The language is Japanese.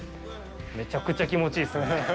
めちゃくちゃ気持ちいいですね。